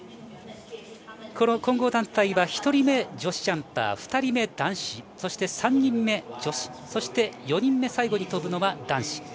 混合団体は１人目女子ジャンパー２人目、男子３人目、女子そして４人目最後に飛ぶのは男子。